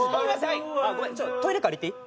ごめんちょっとトイレ借りていい？